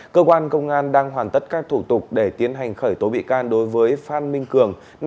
cơ quan công an đang hoàn tất các thủ tục để tiến hành khởi tố bị can đối với phan minh cường